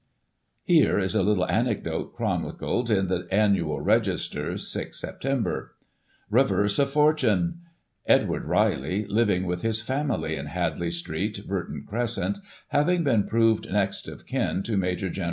Here is a little anecdote chronicled in the Annual Register (6 Sep.) :" Reverse of Fortune. — Edward Riley, living with his family in Hadley Street, Burton Crescent, having been proved next of kin to Maj. Gen.